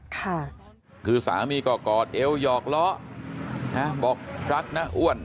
ค่ะคือสามีก็กอดเอวหยอกล้อนะบอกรักน้าอ้วน